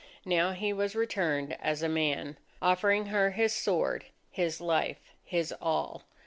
Now he was returned as a man, offering her his sword, his life, his all.